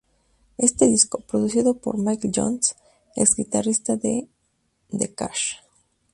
Este disco, producido por Mick Jones, ex guitarrista de The Clash.